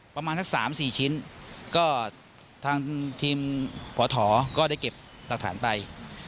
ประมาณทั้งสามสี่ชิ้นก็ทางทีมพธก็ได้เก็บรักฐานไป